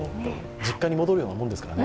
実家に戻るようなもんですからね。